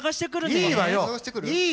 いいわよ。